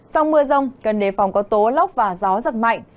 trong mưa rông cần đề phòng có tố lóc và gió rất mạnh